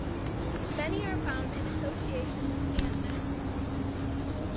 Many are found in association with ant nests.